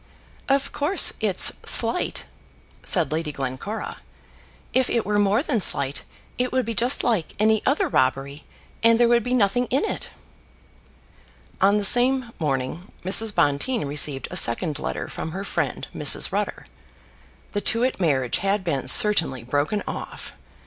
"Of course, it's slight," said Lady Glencora. "If it were more than slight, it would be just like any other robbery, and there would be nothing in it." On the same morning Mrs. Bonteen received a second letter from her friend Mrs. Rutter. The Tewett marriage had been certainly broken off.